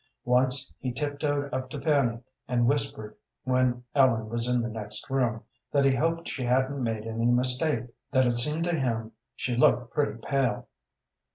Once he tiptoed up to Fanny and whispered, when Ellen was in the next room, that he hoped she hadn't made any mistake, that it seemed to him she looked pretty pale.